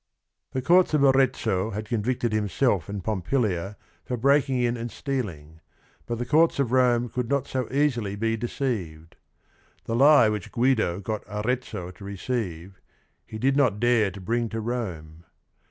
The courts of Arezzo had convicted himself and Pompilia for breaking in and stealing, but the courts of Rome could not so easily be de ceived. The lie which Guido got Arezzo to receive, he did not dare to bring to Rome.